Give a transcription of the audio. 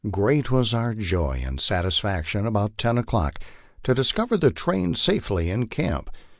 Great was our joy and satisfaction, about ten o'clock, to discover the train safely in camp.